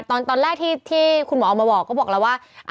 ตอนแรกที่คุณหมอออกมาบอกก็บอกแล้วว่า